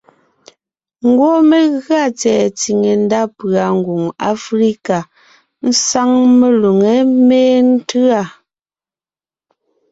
Ngwɔ́ mé gʉa tsɛ̀ɛ tsìŋe ndá pʉ̀a Ngwòŋ Aflíka sáŋ melʉŋé méntʉ́a: